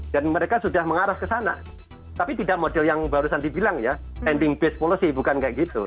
dan mereka sudah mengarah ke sana tapi tidak model yang barusan dibilang ya ending base policy bukan kayak gitu